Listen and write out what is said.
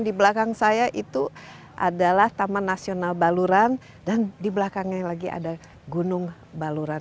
di belakang saya itu adalah taman nasional baluran dan di belakangnya lagi ada gunung baluran